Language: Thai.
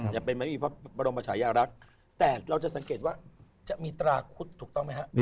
จะเป็นไม่มีพระบรมชายารักษ์แต่เราจะสังเกตว่าจะมีตราคุดถูกต้องไหมฮะ